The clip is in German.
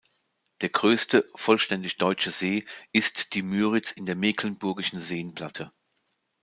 Der größte vollständig deutsche See ist die Müritz in der Mecklenburgischen Seenplatte.